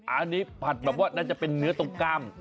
อันนี้ผัดแบบว่าน่าจะเป็นเนื้อตรงกล้าม